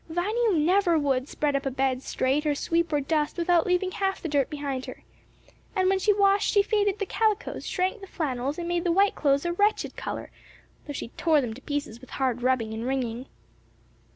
Viny never would spread up a bed straight or sweep or dust without leaving half the dirt behind her. And when she washed she faded the calicoes, shrank the flannels and made the white clothes a wretched color, though she tore them to pieces with hard rubbing and wringing."